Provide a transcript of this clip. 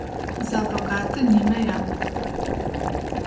Za bogate ni meja.